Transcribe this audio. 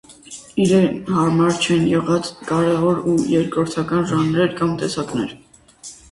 Իրեն համար չեն եղած կարեւոր ու երկրորդական ժանրեր կամ տեսակներ։